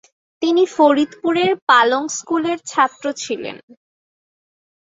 তিনি ফরিদপুরের পালং স্কুলের ছাত্র ছিলেন।